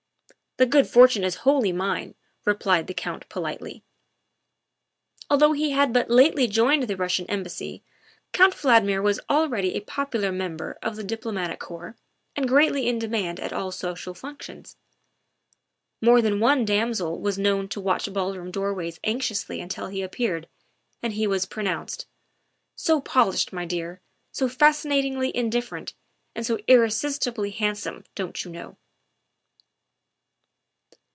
" The good fortune is wholly mine," replied the Count politely. Although he had but lately joined the Russian Em bassy, Count Valdmir was already a popular member of the Diplomatic Corps and greatly in demand at all social functions. More than one damsel was known to watch ballroom doorways anxiously until he appeared, and he was pronounced, " So polished, my dear, so fascinatingly indifferent, and so irresistibly handsome, don't you know."